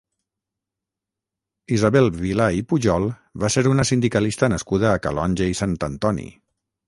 Isabel Vilà i Pujol va ser una sindicalista nascuda a Calonge i Sant Antoni.